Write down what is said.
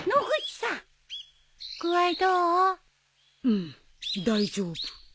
うん大丈夫。